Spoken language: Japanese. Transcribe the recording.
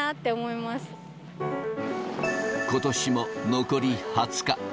ことしも残り２０日。